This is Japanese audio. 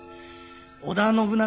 織田信長